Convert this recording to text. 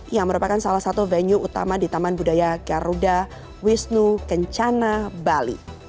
yang merupakan salah satu venue utama di taman budaya garuda wisnu kencana bali